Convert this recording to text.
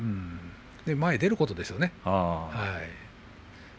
前に出ることですね。